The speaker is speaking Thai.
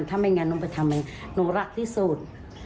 ถ้าไม่งั้นหนูไปทำไมหนูรักที่สุด